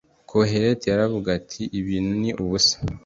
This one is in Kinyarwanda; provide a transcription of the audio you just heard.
koheleti yaravugaga ati: ibintu ni ubusa